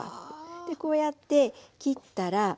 でこうやって切ったらザクザク。